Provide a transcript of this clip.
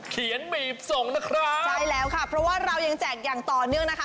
บีบส่งนะครับใช่แล้วค่ะเพราะว่าเรายังแจกอย่างต่อเนื่องนะคะ